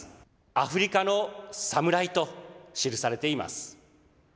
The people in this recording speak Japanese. アフリカのサムライと記されています。